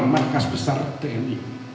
markas besar tni